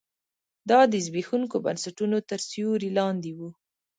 دا د زبېښونکو بنسټونو تر سیوري لاندې و.